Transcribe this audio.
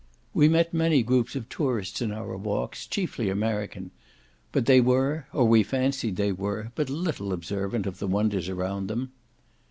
We met many groups of tourists in our walks, chiefly American, but they were, or we fancied they were, but little observant of the wonders around them.